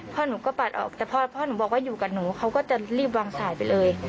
พ่อหนูก็ปัดออกแต่พ่อหนูบอกว่าอยู่กับหนูเขาก็จะรีบวางสายไปเลย